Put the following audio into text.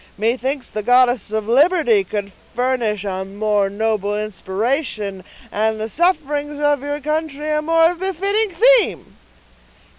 Methinks the goddess of Liberty could furnish a more noble inspiration, and the sufferings of your country a more befitting theme."